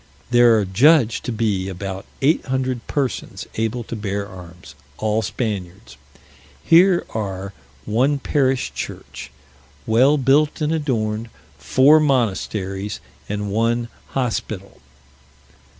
There are judged to be about eight hundred persons able to bear arms, all Spaniards. Here are one parish church, well built and adorned, four monasteries, and one hospital.